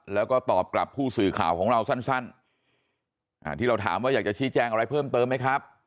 แล้วก็ตอบกลับผู้สื่อข่าวของเราสั้นที่เราถามว่าอยากจะชี้แจงอะไรเพิ่มเติมไหมครับ